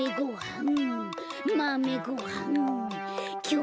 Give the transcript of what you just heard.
ん？